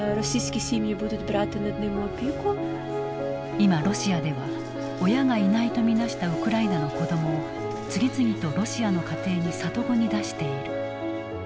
今ロシアでは親がいないと見なしたウクライナの子どもを次々とロシアの家庭に里子に出している。